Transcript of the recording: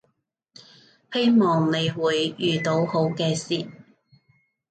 希望你會遇到好嘅事